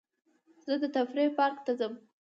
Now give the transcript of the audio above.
زه د تفریح پارک ته ځم.